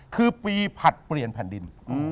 คือปีผลัดเปลี่ยนแผ่นดิน